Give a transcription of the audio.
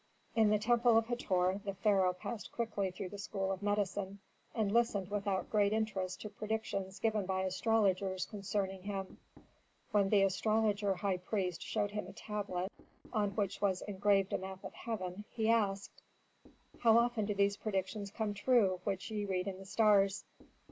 In the temple of Hator the pharaoh passed quickly through the school of medicine, and listened without great interest to predictions given by astrologers concerning him. When the astrologer high priest showed him a tablet on which was engraved a map of heaven, he asked, "How often do these predictions come true which ye read in the stars?"